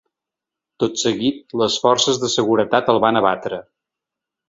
Tot seguit, les forces de seguretat el van abatre.